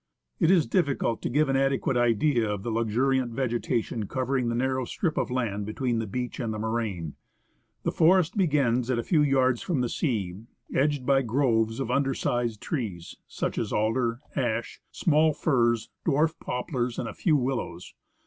It is difficult to give an adequate idea of the luxuriant vegeta tion covering the narrow strip of land between the beach and the moraine. The forest begins at a kw yards from the sea, edged by groves of undersized trees — such as alder, ash, small firs, dwarf poplars, and a few willows.